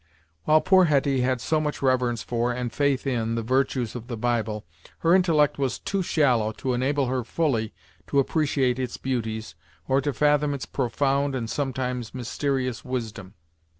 While poor Hetty had so much reverence for, and faith in, the virtues of the Bible, her intellect was too shallow to enable her fully to appreciate its beauties, or to fathom its profound and sometimes mysterious wisdom.